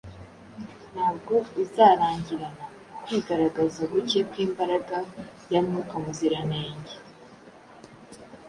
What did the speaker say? ntabwo uzarangirana ukwigaragaza guke kw’imbaraga ya Mwuka Muziranenge